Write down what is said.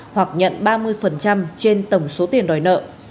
hoặc nhận ba mươi trên tổng số tiền đòi nợ